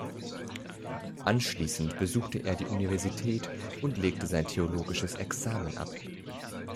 Anschließend besuchte er die Universität und legte sein theologisches Examen ab.